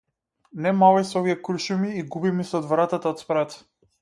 Не мавај со овие куршуми и губи ми се од вратата од спрат!